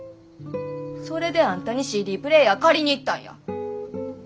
それであんたにＣＤプレーヤー借りに行ったんや。